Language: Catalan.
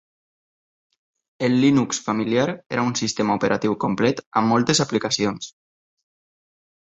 El Linux familiar era un sistema operatiu complet amb moltes aplicacions.